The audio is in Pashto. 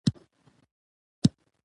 خلک مطالعې ته وهڅوئ.